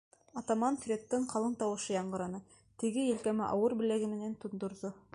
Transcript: Атаман-Фредтың ҡалын тауышы яңғыраны, теге елкәмә ауыр беләге менән тондорҙо.